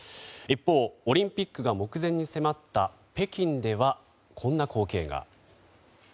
一方、オリンピックが目前に迫った北京では、こんな光景が。